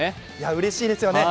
うれしいですよね。